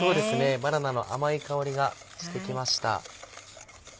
バナナの甘い香りがしてきました。